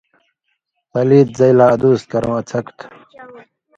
پلیت زَئ لا ادُوس کرٶں اڅھَکوۡ تھُو۔